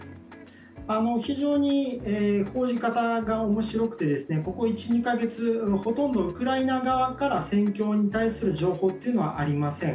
非常に報じ方が面白くてここ１２か月、ほとんどウクライナ側から戦況に対する情報はありません。